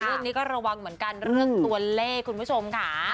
เรื่องนี้ก็ระวังเหมือนกันเรื่องตัวเลขคุณผู้ชมค่ะ